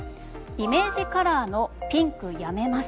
イメージカラーのピンクやめます。